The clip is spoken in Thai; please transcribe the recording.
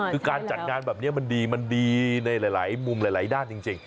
คือการจัดงานแบบนี้มันดีมันดีในหลายมุมหลายด้านจริง